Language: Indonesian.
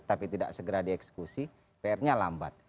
tapi tidak segera dieksekusi pr nya lambat